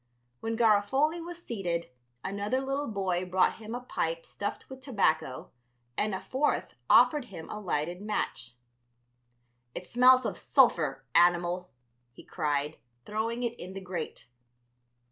When Garofoli was seated another little boy brought him a pipe stuffed with tobacco, and a fourth offered him a lighted match. "It smells of sulphur, animal," he cried, throwing it in the grate.